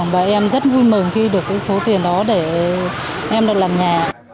và em rất vui mừng khi được cái số tiền đó để em được làm nhà